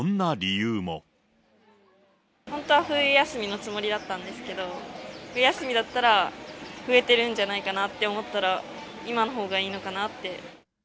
本当は冬休みのつもりだったんですけど、冬休みだったら、増えてるんじゃないかなって思ったら、今のほうがいいのかなって。